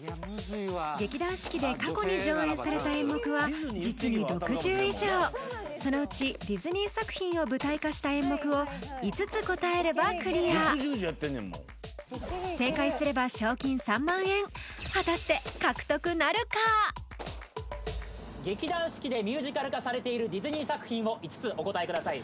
劇団四季で過去に上演された演目は実に６０以上そのうちディズニー作品を舞台化した演目を５つ答えればクリア劇団四季でミュージカル化されているディズニー作品を５つお答えください